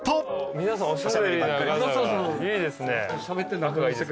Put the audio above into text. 皆さんおしゃべりな方がいいですね。